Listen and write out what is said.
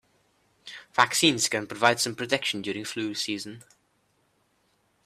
Vaccines can provide some protection during flu season.